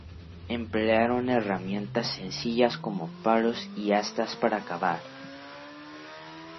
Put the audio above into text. Emplearon herramientas sencillas como palos y astas para cavar.